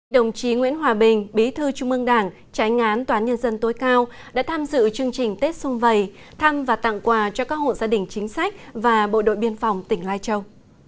đồng chí nguyễn hòa bình bí thư trung ương đảng trái ngán toán nhân dân tối cao đã tham dự chương trình tết xung vầy thăm và tặng quà cho các hộ gia đình chính sách và bộ đội biên phòng tỉnh lai châu